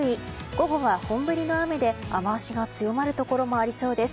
午後は本降りの雨で、雨脚が強まるところもありそうです。